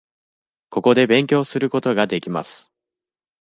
ここで勉強することができます。